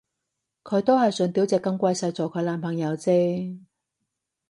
佢都係想吊隻金龜做佢男朋友啫